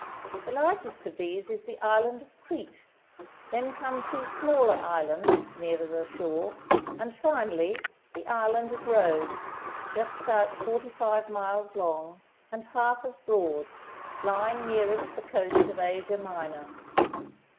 The largest of these is the Island of Crete; then come two smaller islands nearer the shore, and, finally, the Island of Rhodes, just about forty five miles long and half as broad, lying near est the coast of Asia Minor.